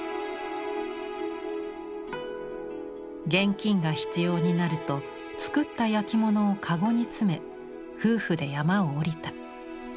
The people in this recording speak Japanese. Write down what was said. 現金が必要になると作った焼き物を籠に詰め夫婦で山を下りた。